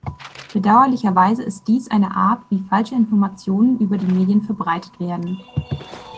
Bedauerlicherweise ist dies eine Art, wie falsche Informationen über die Medien verbreitet werden.